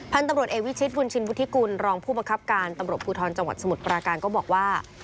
พันธุ์ตำรวจเอกวิชิตบุญชินวุฒิกุลรองผู้บังคับการตำรวจภูทรจังหวัดสมุทรปราการก็บอกว่า